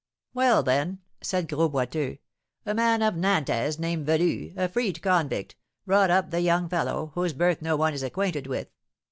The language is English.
"Well, then," said Gros Boiteux, "a man of Nantes, named Velu, a freed convict, brought up the young fellow, whose birth no one is acquainted with.